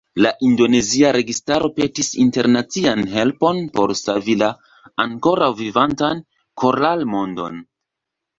La indonezia registaro petis internacian helpon por savi la ankoraŭ vivantan koralmondon.